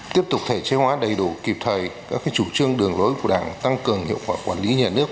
tiếp tục thể chế hóa đầy đủ kịp thời các chủ trương đường lối của đảng tăng cường hiệu quả quản lý nhà nước